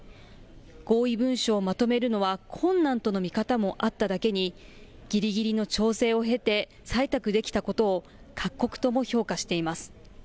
合意文書をまとめるのは困難との見方もあっただけに、ぎりぎりの調整を経て、採択できたことを各国とも評価しています。